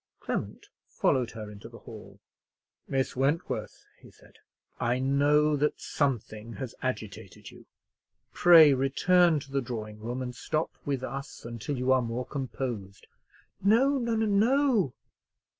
Clement followed her into the hall. "Miss Wentworth," he said, "I know that something has agitated you. Pray return to the drawing room, and stop with us until you are more composed." "No—no—no!"